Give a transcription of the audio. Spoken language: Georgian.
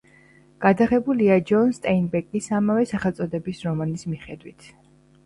გადაღებულია ჯონ სტეინბეკის ამავე სახელწოდების რომანის მიხედვით.